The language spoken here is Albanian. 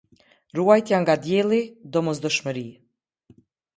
Ruajtja nga dielli - domosdoshmëri.